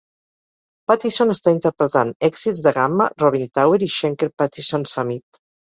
Pattison està interpretant èxits de Gamma, Robin Tower i Schenker Pattison Summit.